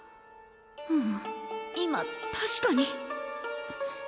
ううん今確かに。